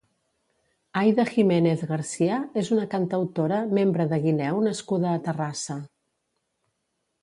Aida Giménez Garcia és una cantautora, membre de Guineu nascuda a Terrassa.